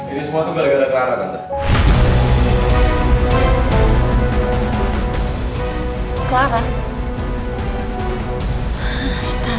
ini semua tuh gara gara clara tante